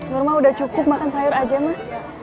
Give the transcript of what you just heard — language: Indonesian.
nur mah udah cukup makan sayur aja mah